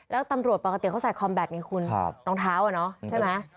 แล้วตำรวจปกติเขาใส่คอมแบตไงคุณรองเท้าใช่ไหม